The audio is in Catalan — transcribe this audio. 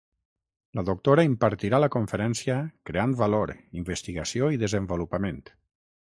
La doctora impartirà la conferència Creant valor, investigació i desenvolupament.